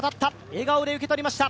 笑顔で受け取りました。